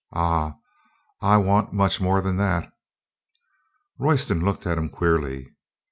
"Ah, I want much more than that." Royston looked at him queerly.